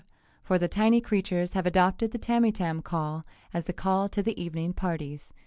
For the tiny creatures have adopted the Tamytam call as the call to the evening parties.